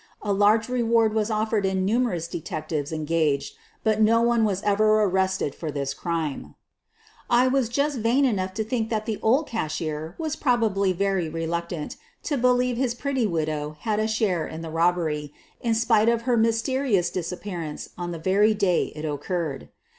A large reward was offered and numerous detectives en gaged, but no one was ever arrested for this crime. I am just vain enough to think that the old cashier was probably very reluctant to believe his pretty widow had a share in the robbery, in spite of her QUEEN OF THE BURGLARS 35 mysterious disappearance on the very day it oc curred.